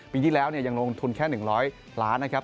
ปีที่แล้วยังลงทุนแค่๑๐๐ล้านนะครับ